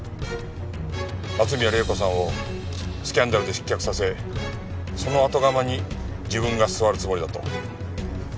松宮玲子さんをスキャンダルで失脚させその後釜に自分が座るつもりだと。